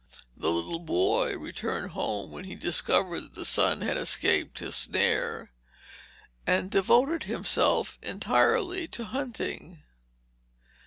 The little boy returned home when he discovered that the sun had escaped his snare, and devoted himself entirely to hunting.